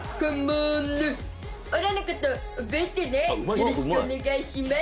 よろしくお願いします。